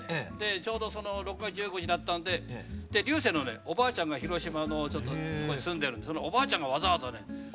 ちょうどその６月１５日だったんで彩青のねおばあちゃんが広島の方に住んでるんでおばあちゃんがわざわざね